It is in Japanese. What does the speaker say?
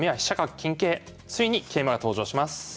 ついに桂馬が登場します。